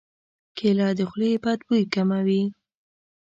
کېله د خولې بد بوی کموي.